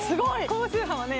高周波はね